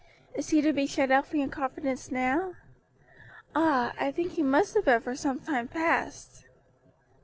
Is he to be shut out from your confidence now? Ah, I think he must have been for some time past."